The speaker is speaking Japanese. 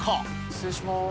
失礼します。